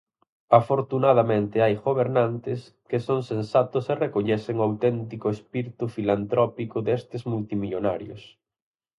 Afortunadamente hai gobernantes, que son sensatos e recoñecen o auténtico espírito filantrópico destes multimillonarios.